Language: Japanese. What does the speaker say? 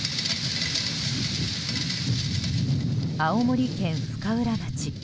青森県深浦町。